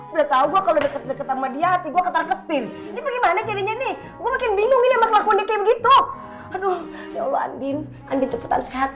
udah tau gua kalau dia ketemu aku tuh gak ada apaan sih ditembak gak ada deh ah